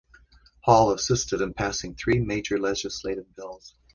Hall assisted in passing three major legislative bills.